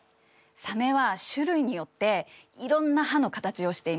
サメは種類によっていろんな歯の形をしています。